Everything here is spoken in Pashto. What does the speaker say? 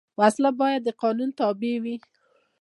وسله باید د قانون تابع وي